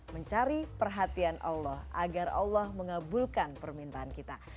mencari perhatian allah agar allah mengabulkan permintaan kita